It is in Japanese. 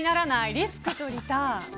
リスクとリターン